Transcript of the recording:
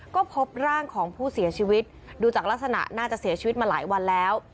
ก็พบร่างของผู้เสียชีวิตดูจากลักษณะน่าจะเสียชีวิตมาหลายวันแล้ว